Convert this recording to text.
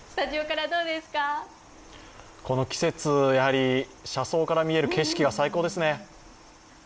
この季節、やはり車窓から見える景色が最高ですね。